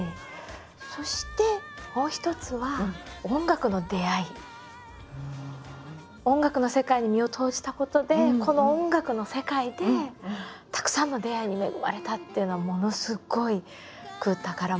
そしてもう一つは音楽の世界に身を投じたことでこの音楽の世界でたくさんの出会いに恵まれたっていうのはものすごく宝物で。